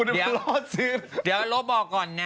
เดียวเราบอกก่อนนะ